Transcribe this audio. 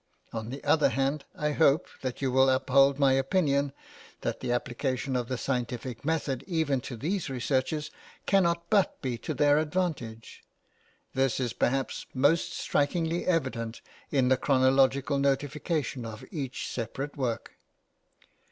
On the other hand, I hope that you will uphold my opinion that the application of the scientific method even to these researches, cannot but be to their advantage. This is perhaps most strikingly evident in the chronological notification of each separate work.